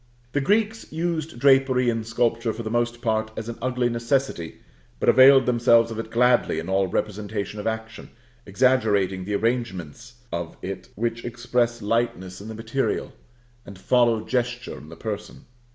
The Greeks used drapery in sculpture for the most part as an ugly necessity, but availed themselves of it gladly in all representation of action, exaggerating the arrangements of it which express lightness in the material, and follow gesture in the person.